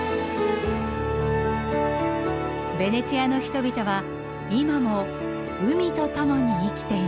ベネチアの人々は今も海とともに生きています。